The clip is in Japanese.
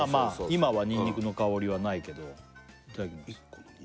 今はにんにくの香りはないけどいただきます